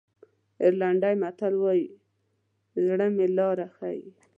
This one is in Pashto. آیرلېنډي متل وایي زړه مو لاره ښیي.